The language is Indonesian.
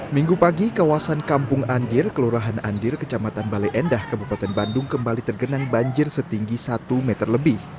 minggu pagi kawasan kampung andir kelurahan andir kecamatan bale endah kabupaten bandung kembali tergenang banjir setinggi satu meter lebih